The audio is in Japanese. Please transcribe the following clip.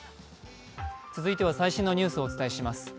続いては最新のニュースをお伝えします。